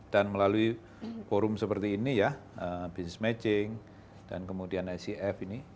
dan melalui forum seperti ini ya business matching dan kemudian icf ini